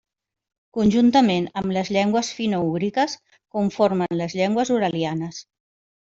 Conjuntament amb les llengües finoúgriques conformen les llengües uralianes.